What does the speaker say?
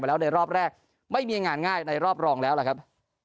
แล้วในรอบแรกไม่มีงานง่ายในรอบรองแล้วล่ะครับ